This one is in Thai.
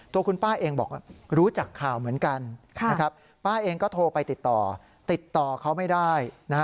ตัวคุณป้าเองบอกว่ารู้จักข่าวเหมือนกันป้าเองก็โทรไปติดต่อติดต่อเขาไม่ได้